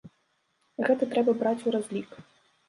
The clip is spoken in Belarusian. Гэта трэба браць у разлік.